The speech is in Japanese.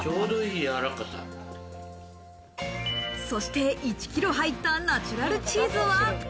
そして１ｋｇ入ったナチュラルチーズは。